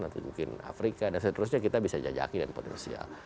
atau mungkin afrika dan seterusnya kita bisa jajaki dan potensial